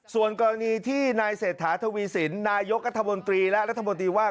ส่วนกรณีที่นายเศรษฐาทวีสินนายกัธมนตรีและรัฐมนตรีว่า